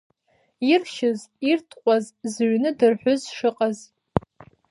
Иршьыз, иртҟәаз, зыҩны дырҳәыз шыҟаз.